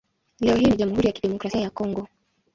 Leo hii ni Jamhuri ya Kidemokrasia ya Kongo.